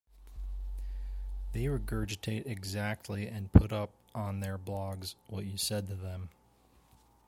They regurgitate exactly and put up on their blogs what you said to them.